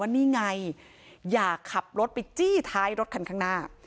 นี่ไงอย่าขับรถไปจี้ท้ายรถคันข้างหน้า